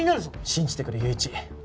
信じてくれ友一。